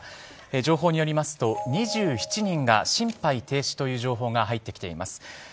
情報によりますと２７人が心肺停止という情報が入ってきています。